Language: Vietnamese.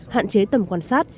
hạn chế tầm quan sát